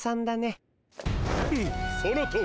フッそのとおり。